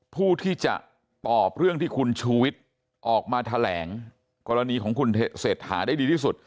ผู้ที่จะตอบเรื่องที่คุณชูวิทย์ออกมาแถลงกรณีของคุณเศรษฐาได้ดีที่สุด